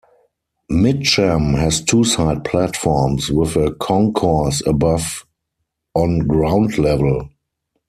Mitcham has two side platforms with a concourse above on ground level.